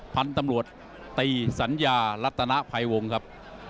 พันธุ์ตำรวจตีสัญญารัตนภัยวงครับ